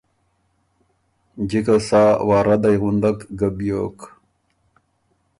جِکه سا واردئ غُندک ګه بیوک۔